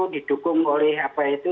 didukung oleh apa itu